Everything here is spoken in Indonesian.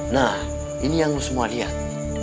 nah ini yang semua lihat